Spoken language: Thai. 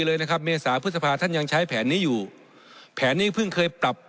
เลยนะครับเมษาพฤษภาท่านยังใช้แผนนี้อยู่แผนนี้เพิ่งเคยปรับ